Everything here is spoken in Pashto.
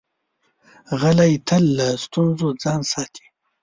غلی، تل له ستونزو ځان ساتي.